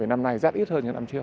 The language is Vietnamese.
vì năm nay rát ít hơn như năm trước